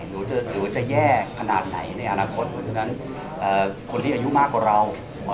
หรือว่าจะแย่ขนาดไหนในอนาคตเพราะฉะนั้นคนที่อายุมากกว่าเรา